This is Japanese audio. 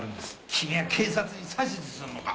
君は警察に指図するのか？